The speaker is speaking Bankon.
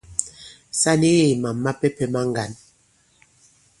Sa nīgī kì màm mapɛ̄pɛ̄ ma ŋgǎn.